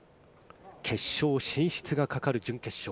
決勝進出がかかる準決勝。